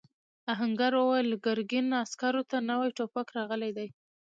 آهنګر وویل ګرګین عسکرو ته نوي ټوپک راغلی دی.